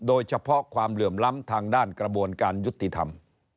โดยเฉพาะความเหลื่อมล้ำทางด้านกระบวนการยุติธรรม